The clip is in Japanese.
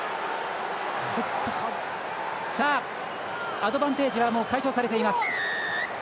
アドバンテージは解消されています。